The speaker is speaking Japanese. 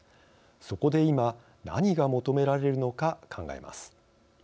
そこで今、何が求められるのか考えます。